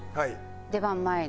出番前に。